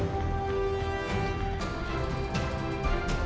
jadi kita bisa mengambil kemampuan untuk membuat kembali ke kemampuan kita